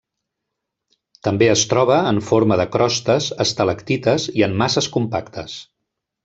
També es troba en forma de crostes, estalactites i en masses compactes.